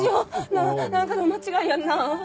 なあなんかの間違いやんな？